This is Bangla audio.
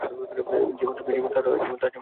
জীবন তাঁহার ছায়া, মৃত্যুও তাঁহার ছায়া।